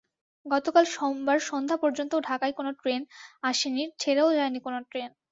গতকাল সোমবার সন্ধ্যা পর্যন্তও ঢাকায় কোনো ট্রেন আসেনি, ছেড়েও যায়নি কোনো ট্রেন।